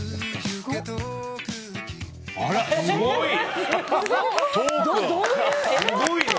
すごいよ！